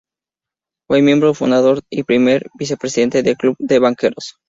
Fue miembro fundador y primer vicepresidente del Club de Banqueros.